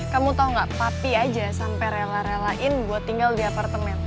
kamu tau gak papi aja sampai rela relain buat tinggal di apartemen